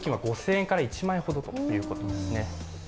５０００円から１万円ほどということですね。